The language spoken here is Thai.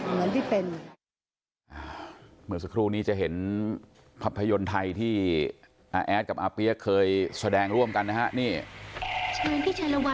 เหมือนสักครู่นี้จะเห็นภาพยนตร์ไทยที่อาแอดกับอาเปี๊ยกเคยแสดงร่วมกันนะฮะ